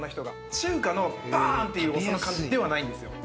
中華のバン！っていうお酢の感じではないんですよ。